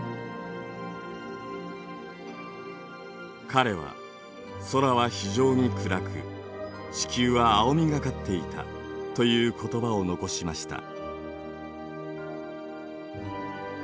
彼は「空は非常に暗く地球は青みがかっていた」という言葉を残しました。